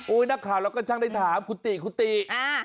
โอ้ยนักข่าวเราก็ช่างได้ถามคุณตี้คุณตี้อ่า